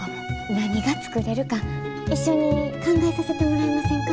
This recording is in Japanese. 何が作れるか一緒に考えさせてもらえませんか？